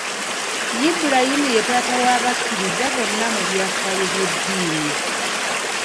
Ibrahim ye taata w'abakkiriza bonna mu byafaayo by'eddiini.